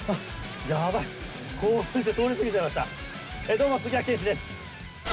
どうも杉谷拳士です。